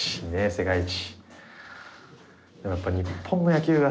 世界一。